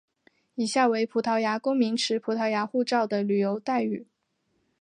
以下为葡萄牙公民持葡萄牙护照的旅游待遇。